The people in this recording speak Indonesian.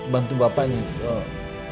bantu bapak nih